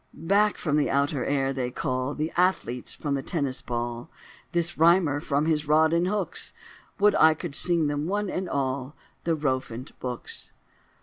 Back from the outer air they call The athletes from the Tennis ball, This Rhymer from his rod and hooks, Would I could sing them, one and all, The Rowfant books!"